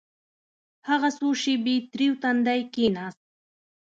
هغه څو شېبې تريو تندى کښېناست.